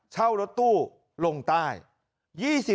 เช่ารถตู้ลงใต้